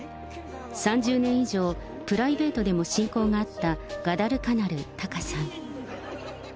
３０年以上、プライベートでも親交があったガダルカナル・タカさん。